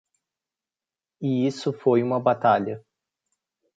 E isso foi uma batalha.